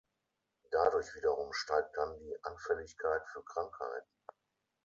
Dadurch wiederum steigt dann die Anfälligkeit für Krankheiten.